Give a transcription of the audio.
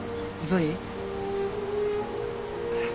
ゾイ。